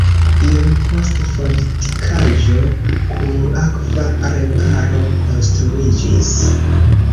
Iom poste fortikaĵo kun akva remparo konstruiĝis.